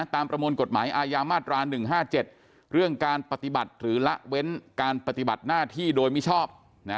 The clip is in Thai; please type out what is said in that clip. ประมวลกฎหมายอาญามาตรา๑๕๗เรื่องการปฏิบัติหรือละเว้นการปฏิบัติหน้าที่โดยมิชอบ